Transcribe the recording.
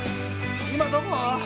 今どこ？